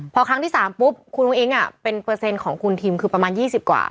พอครั้งที่๓ปุ๊บคุณอุ้งอิ๊งเป็นเปอร์เซ็นต์ของคุณทิมคือประมาณ๒๐กว่า